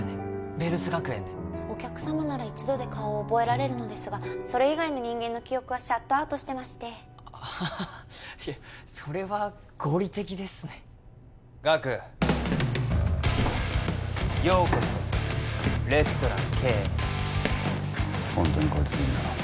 ヴェルス学園でお客様なら一度で顔を覚えられるのですがそれ以外の人間の記憶はシャットアウトしてましてあそれは合理的ですね岳ようこそレストラン「Ｋ」へホントにこいつでいいんだな？